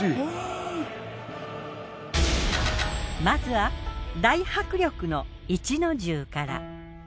まずは大迫力の壱之重から。